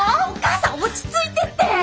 お母さん落ち着いてって！